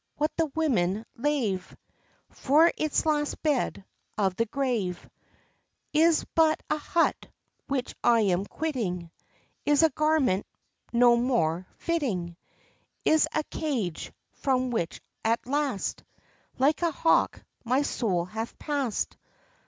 what the women lave, For its last bed of the grave, Is but a hut which I am quitting, Is a garment no more fitting, Is a cage, from which at last, Like a hawk, my soul hath passed.